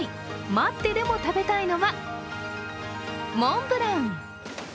待ってでも食べたいのは、モンブラン。